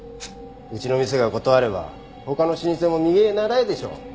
うちの店が断れば他の老舗も右へ倣えでしょう。